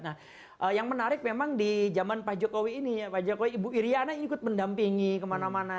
nah yang menarik memang di zaman pak jokowi ini ya pak jokowi ibu iryana ikut mendampingi kemana mana